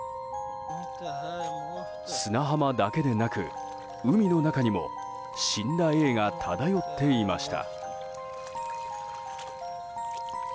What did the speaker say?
砂浜だけでなく、海の中にも死んだエイが漂っていました。